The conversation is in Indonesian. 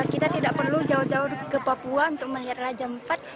kita tidak perlu jauh jauh ke papua untuk melihat raja iv